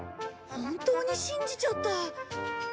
本当に信じちゃった。